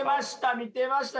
見てました！